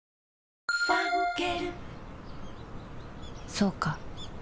そうか